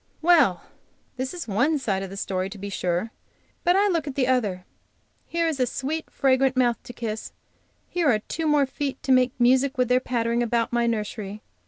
Well! this is one side of the story, to be sure, but I look at the other. Here is a sweet, fragrant mouth to kiss; here are two more feet to make music with their pattering about my nursery.